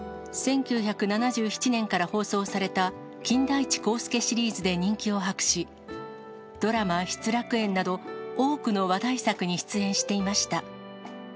１９７７年から放送された金田一耕助シリーズで人気を博し、ドラマ、失楽園など、多くの話題作に出演していました。